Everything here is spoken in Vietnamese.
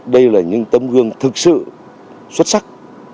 đây là những tấm gương thực sự xuất sắc